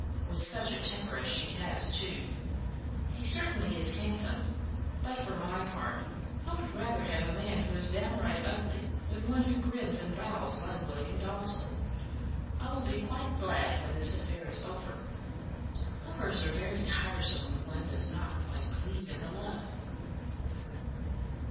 with such a temper as she has, too. He certainly is handsome; but for my part, I would rather have a man who is downright ugly than one who grins and bows like William Dalzell. I will be quite glad when this affair is over. Lovers are very tiresome when one does not quite believe in the love."